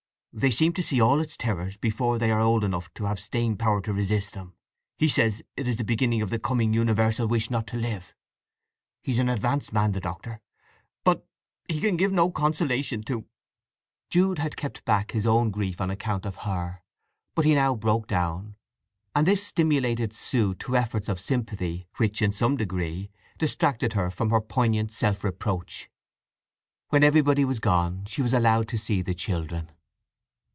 They seem to see all its terrors before they are old enough to have staying power to resist them. He says it is the beginning of the coming universal wish not to live. He's an advanced man, the Doctor: but he can give no consolation to—" Jude had kept back his own grief on account of her; but he now broke down; and this stimulated Sue to efforts of sympathy which in some degree distracted her from her poignant self reproach. When everybody was gone, she was allowed to see the children.